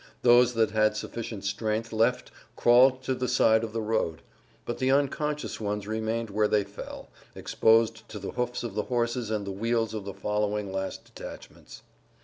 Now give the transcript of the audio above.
Those that had sufficient strength left crawled to the side of the road; but the unconscious ones remained where they fell, exposed to the hoofs of the horses and the wheels of the following last detachments.